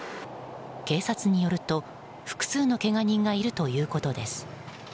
警察によると、複数のけが人がいるということです。